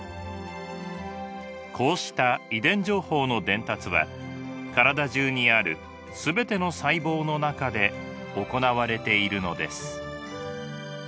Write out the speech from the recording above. こうした遺伝情報の伝達は体中にある全ての細胞の中で行われているのです。